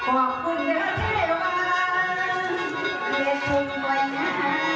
มีใจกลีนละร้อนข้อมีใจกลีนละร้อน